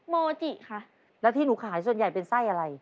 โมจิค่ะแล้วที่หนูขายส่วนใหญ่เป็นไส้อะไร